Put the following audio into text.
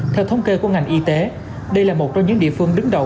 theo thống kê của ngành y tế đây là một trong những địa phương đứng đầu